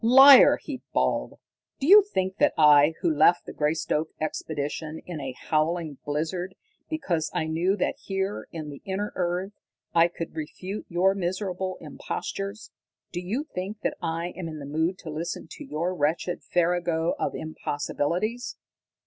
"Liar!" he bawled. "Do you think that I, who left the Greystoke expedition in a howling blizzard because I knew that here, in the inner earth, I could refute your miserable impostures do you think that I am in the mood to listen to your wretched farrago of impossibilities?"